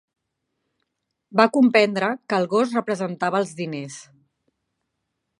Va comprendre que el gos representava els diners.